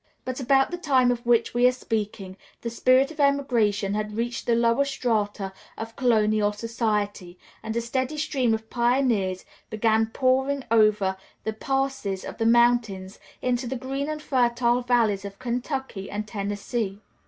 But about the time of which we are speaking the spirit of emigration had reached the lower strata of colonial society, and a steady stream of pioneers began pouring over the passes of the mountains into the green and fertile valleys of Kentucky and Tennessee.